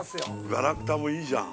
ガラクタもいいじゃん。